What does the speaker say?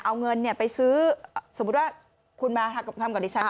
เอาเงินเนี่ยไปซื้อสมมติว่าคุณมาทำกับดิฉัน